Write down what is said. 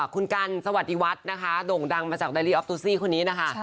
คุณกันสวัสดีวัฒน์นะคะโด่งดังมาจากดาลีออฟตูซี่คนนี้นะคะ